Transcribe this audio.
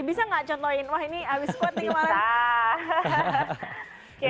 bisa gak contohin wah ini abis squat nih emang